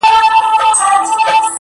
• بیا به راسي په سېلونو بلبلکي,